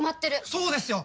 そうですよ！